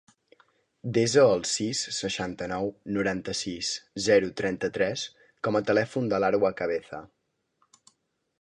Desa el sis, seixanta-nou, noranta-sis, zero, trenta-tres com a telèfon de l'Arwa Cabeza.